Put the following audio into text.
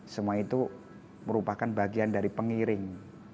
semua itu merupakan bagian dari pengiring